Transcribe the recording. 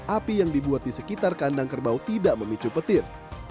api yang dibuat di sekitar kandang kerbau tidak memicu petir